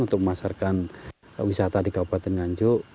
untuk memasarkan wisata di kabupaten nganjuk